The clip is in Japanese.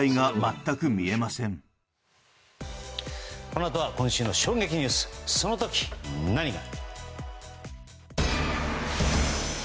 このあとは今週の衝撃ニュースその時、何が？